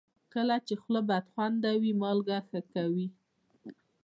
کله چې خوله بدخوند وي، مالګه ښه کوي.